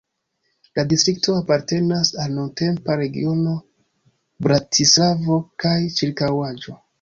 La distrikto apartenas al nuntempa regiono Bratislavo kaj ĉirkaŭaĵo.